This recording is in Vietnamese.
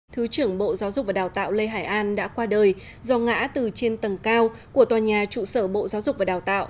thứ trưởng bộ giáo dục và đào tạo lê hải an đã qua đời do ngã từ trên tầng cao của tòa nhà trụ sở bộ giáo dục và đào tạo